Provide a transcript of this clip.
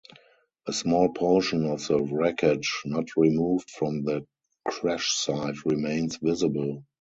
A small portion of the wreckage not removed from the crash site remains visible.